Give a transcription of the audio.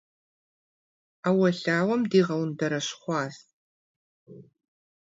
Ӏэуэлъауэм дигъэундэрэщхъуащ.